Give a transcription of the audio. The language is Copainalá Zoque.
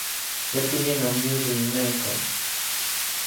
‒Yäti jiʼnam wyĩduʼi mneʼkä-.